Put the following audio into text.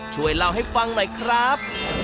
ช่วยเล่าให้ฟังหน่อยครับ